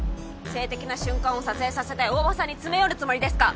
性的な瞬間を撮影させて大庭さんに詰め寄るつもりですか